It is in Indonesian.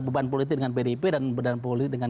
beban politik dengan pdip dan beban politik dengan